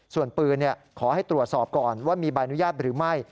ส่วนปืนขอให้ตรวจสอบก่อนว่ามีใบอนุญาตหรือไม่